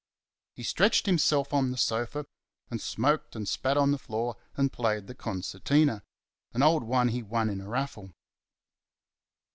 He stretched himself on the sofa, and smoked and spat on the floor and played the concertina an old one he won in a raffle.